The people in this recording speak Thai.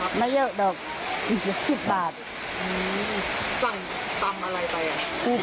จับมาถึงตอนนั้นกินกับลูกสองคน